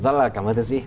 rất là cảm ơn thưa sĩ